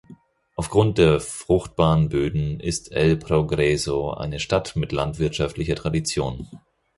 Aufgrund der fruchtbaren Böden ist El Progreso eine Stadt mit landwirtschaftlicher Tradition.